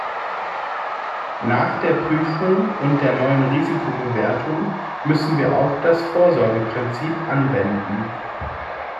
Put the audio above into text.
Nach der Prüfung und der neuen Risikobewertung müssen wir auch das Vorsorgeprinzip anwenden.